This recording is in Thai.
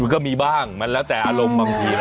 ก็มีบ้างมันแล้วแต่อารมณ์บางทีนะ